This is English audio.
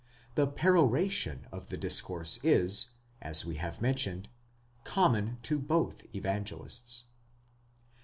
The peroration of the discourse is, as we have mentioned, common to both Evangelists.